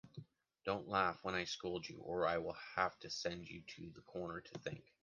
Don’t laugh when I scold you or I will have to send you to the corner to think.